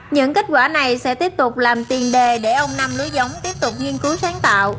những kết quả này sẽ tiếp tục làm tiền đề để ông nam lưới giống tiếp tục nghiên cứu sáng tạo